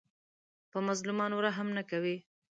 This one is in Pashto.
په مظلومانو رحم نه کوي